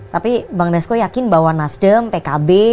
tapi bang nesco yakin bahwa nasdem pkb